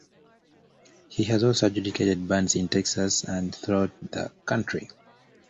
He has also adjudicated bands in Texas and throughout the country.